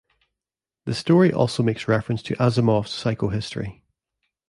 The story also makes reference to Asimov's psychohistory.